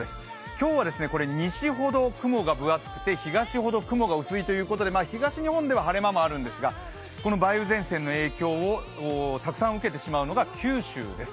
今日は西ほど雲が分厚くて東ほど雲が薄いということで、東日本では晴れ間もあるんですが梅雨前線の影響をたくさん受けてしまうのが九州です。